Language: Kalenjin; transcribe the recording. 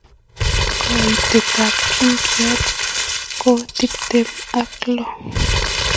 Koitet ab chumait ko tiptem ak loo